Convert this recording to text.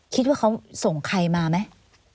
คิดว่าเขาส่งใครมาไหม